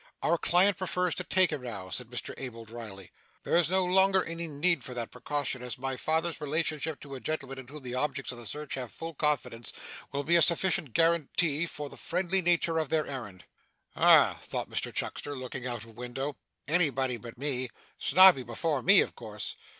'Our client prefers to take him now,' said Mr Abel, drily. 'There is no longer any need for that precaution, as my father's relationship to a gentleman in whom the objects of his search have full confidence, will be a sufficient guarantee for the friendly nature of their errand.' 'Ah!' thought Mr Chuckster, looking out of window, 'anybody but me! Snobby before me, of course.